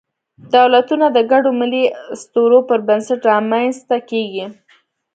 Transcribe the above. دولتونه د ګډو ملي اسطورو پر بنسټ رامنځ ته کېږي.